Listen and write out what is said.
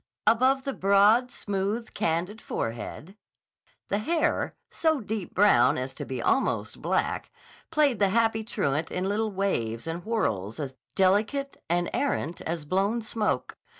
Above the broad, smooth, candid forehead, the hair, so deep brown as to be almost black, played the happy truant in little waves and whorls as delicate and errant as blown smoke.